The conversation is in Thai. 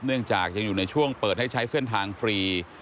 เนื่องจากยังอยู่ในช่วงเปิดให้ใช้เส้นทางฟรี